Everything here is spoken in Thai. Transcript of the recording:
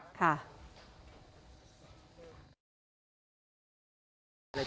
ค่ะ